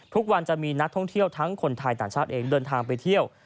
ทุกวันจะมีนักท่องเที่ยวทั้งคนไทยต่างชาติเองเดินทางไปเที่ยว